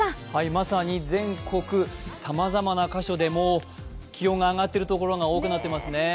まさに全国さまざまな箇所でもう気温が上がっているところが多くなっていますね。